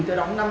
cắn nhỏ nữa ạ